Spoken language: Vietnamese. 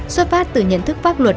xuất phát từ nhận thức pháp luật